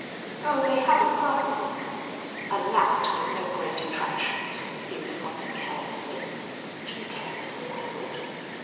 "Oh, they have a brother with them, a lout of no great attractions," he responded carelessly too carelessly, I thought.